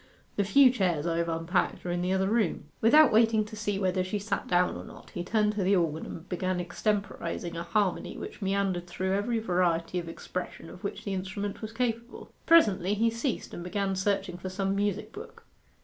The few chairs I have unpacked are in the other room.' Without waiting to see whether she sat down or not, he turned to the organ and began extemporizing a harmony which meandered through every variety of expression of which the instrument was capable. Presently he ceased and began searching for some music book.